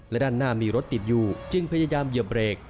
และด้านหน้ามีรถติดอยู่จึงพยายามเหยียบเบรก